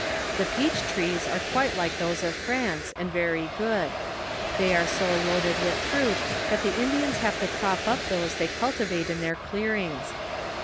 The peach trees are quite like those of France, and very good ; they are so loaded with fruit, that the Indians have to prop up those they cul tivate in their clearings.